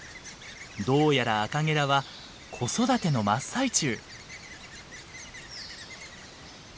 どうやらアカゲラは子育ての真っ最中。